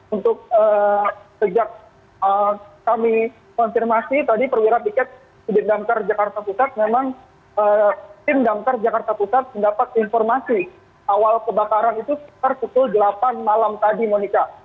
untuk sejak kami konfirmasi tadi perwira tiket sudir damkar jakarta pusat memang tim damkar jakarta pusat mendapat informasi awal kebakaran itu sekitar pukul delapan malam tadi monika